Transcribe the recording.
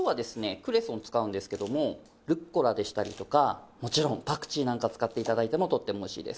クレソン使うんですけどもルッコラでしたりとかもちろんパクチーなんか使って頂いてもとってもおいしいです。